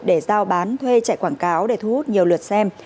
để giao bán thuê chạy quảng cáo để thu hút nhiều lượt xem